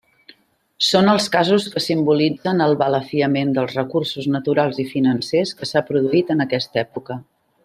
Són els casos que simbolitzen el balafiament dels recursos naturals i financers que s'ha produït en aquesta època.